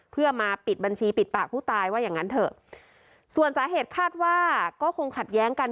เพื่อมาปิดบัญชีปิดปากผู้ตายว่าอย่างงั้นเถอะส่วนสาเหตุคาดว่าก็คงขัดแย้งกัน